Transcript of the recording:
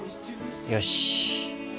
よし。